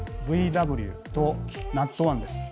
「ＶＷ」と「ＮＡＴ１」です。